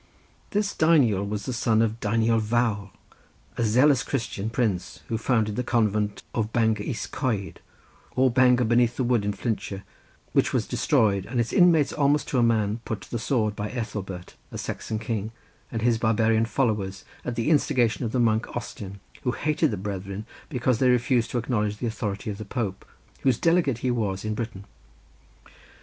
This Deiniol was the son of Deiniol Vawr, a zealous Christian prince who founded the convent of Bangor Is Coed, or Bangor beneath the wood, in Flintshire, which was destroyed and its inmates almost to a man put to the sword by Ethelbert a Saxon king, and his barbarian followers at the instigation of the monk Austin, who hated the brethren because they refused to acknowledge the authority of the Pope, whose delegate he was in Britain.